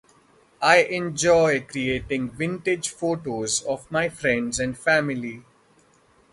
I enjoy creating vintage photos of my friends and family.